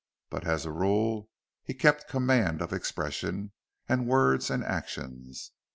But as a rule he kept command of expression, and words, and actions.